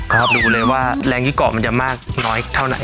ดูเลยว่าแรงยี่เกาะมันจะมากน้อยเท่าไหน